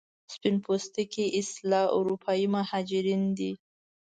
سپین پوستکي اصلا اروپایي مهاجرین دي.